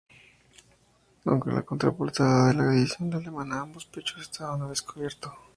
Aunque en la contraportada de la edición alemana ambos pechos estaban al descubierto.